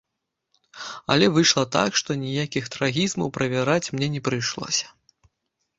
Але выйшла так, што ніякіх трагізмаў правяраць мне не прыйшлося.